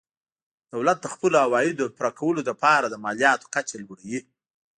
دولت د خپلو عوایدو د پوره کولو لپاره د مالیاتو کچه لوړوي.